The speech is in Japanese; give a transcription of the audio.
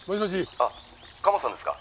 「あっ鴨さんですか？